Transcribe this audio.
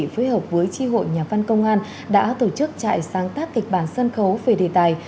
phối hợp với tri hội nhà văn công an đã tổ chức trại sáng tác kịch bản sân khấu về đề tài